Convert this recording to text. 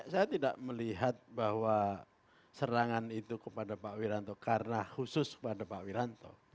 saya tidak melihat bahwa serangan itu kepada pak wiranto karena khusus pada pak wiranto